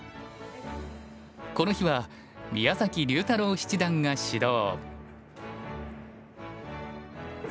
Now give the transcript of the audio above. この日は宮崎龍太郎七段が指導。